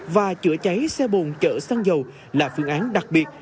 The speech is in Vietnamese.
và chữa cháy xe bồn chở xăng dầu là phương án đặc biệt